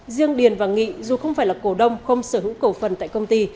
riêng điền và nghị dù không phải là cổ đông không sở hữu cổ phần tại công ty